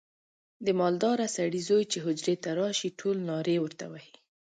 د مالداره سړي زوی چې حجرې ته راشي ټول نارې ورته وهي.